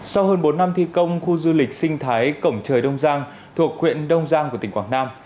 sau hơn bốn năm thi công khu du lịch sinh thái cổng trời đông giang thuộc huyện đông giang của tỉnh quảng nam